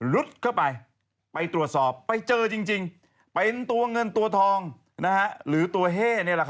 เข้าไปไปตรวจสอบไปเจอจริงเป็นตัวเงินตัวทองหรือตัวเฮ่